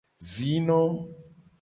Zino.